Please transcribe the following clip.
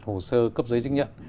hồ sơ cấp giấy chứng nhận